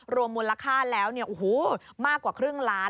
รวมมูลค่าแล้วมากกว่าครึ่งล้าน